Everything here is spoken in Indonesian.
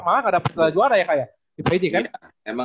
malah gak dapet gelar juara ya kayaknya di peg kan